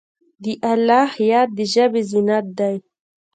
د الله یاد د ژبې زینت دی.